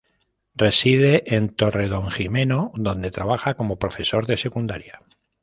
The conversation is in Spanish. Reside en Torredonjimeno, donde trabaja como profesor de Secundaria.